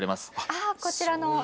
あこちらの。